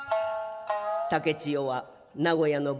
竹千代は名古屋の万松寺